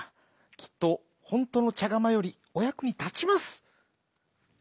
きっとほんとのちゃがまよりおやくにたちます」。